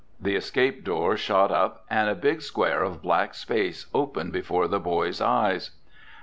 The escape door shot up and a big square of black space opened before the boys' eyes.